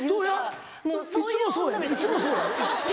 そうやいつもそうやでいつもそうやで。